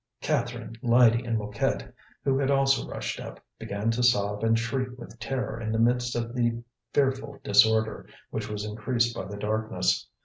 Catherine, Lydie, and Mouquette, who had also rushed up, began to sob and shriek with terror in the midst of the fearful disorder, which was increased by the darkness.